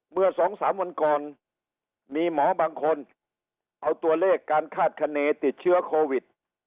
เมื่อสองสามวันก่อนมีหมอบางคนเอาตัวเลขการคาดคณีติดเชื้อโควิด